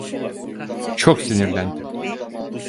Çok sinirlendim.